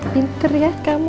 pinter ya kamu